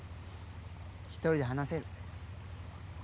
一人で話せる。